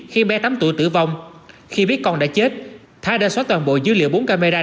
khi bé tám tuổi tử vong khi biết con đã chết thái đã xóa toàn bộ dữ liệu bốn camera